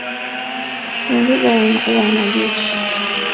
Poland katika wiki za karibuni na ni nyongeza ya wanajeshi wa Marekani